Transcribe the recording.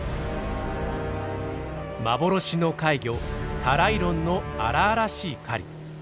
幻の怪魚タライロンの荒々しい狩り。